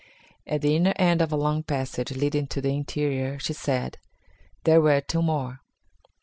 At the inner end of a long passage leading to the interior, she said, there were two more.